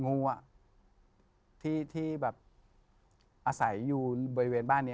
งูอ่ะที่แบบอาศัยอยู่บริเวณบ้านนี้